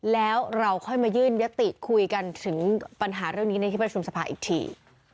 แล้วเราค่อยมายื่นยติคุยกันถึงปัญหาเรื่องนี้ในที่ประชุมสภาอีกที